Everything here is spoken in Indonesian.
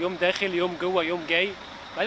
kemudian kita masuk ke tempat berdiri